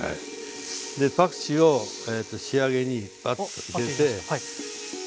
でパクチーを仕上げにパッと入れて。